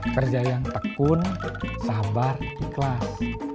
kerja yang tekun sabar ikhlas